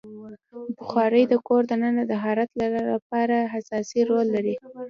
بخاري د کور دننه د حرارت لپاره اساسي رول لري.